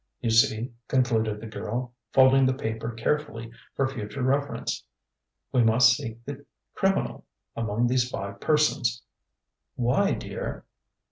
"You see," concluded the girl, folding the paper carefully for future reference, "we must seek the criminal among these five persons." "Why, dear?"